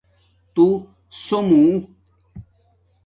توسو مُو